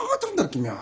君は。